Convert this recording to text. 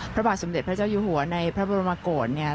พระบาทสมเด็จพระเจ้าอยู่หัวในพระบรมกฏเนี่ย